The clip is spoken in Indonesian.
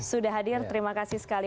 sudah hadir terima kasih sekali